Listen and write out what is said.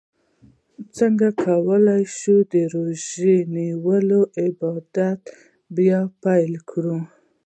څنګه کولی شم د روژې نیولو عادت بیا پیل کړم